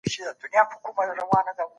زده کړه د پوهې د پراختیا لامل ګرځي.